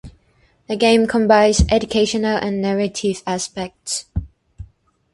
The game combines educational and narrative aspects.